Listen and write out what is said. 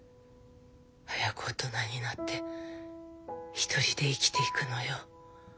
早く大人になって独りで生きていくのよ。